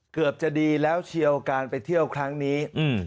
เกือบจะดีแล้วเชียวการไปเที่ยวครั้งนี้